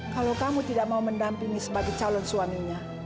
kalau kamu tidak mau mendampingi sebagai calon suaminya